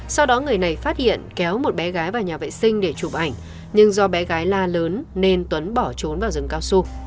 sau đó người này phát hiện kéo một bé gái vào nhà vệ sinh để chụp ảnh nhưng do bé gái la lớn nên tuấn bỏ trốn vào rừng cao su